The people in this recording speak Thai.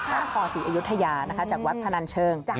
พระนครศรีอยุธยานะคะจากวัดพนันเชิง